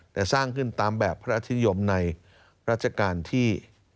แต่สร้างขึ้นตามแบบพระราชนิยมในรัชกาลที่